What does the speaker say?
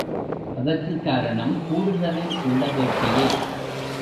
அதற்குக் காரணம் கூடுதலில் உள்ள வேட்கையே.